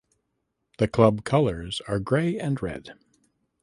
The club colours are grey and red.